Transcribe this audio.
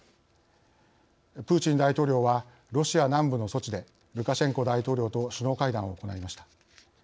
プーチン大統領はロシア南部のソチでルカシェンコ大統領と首脳会談を行いました。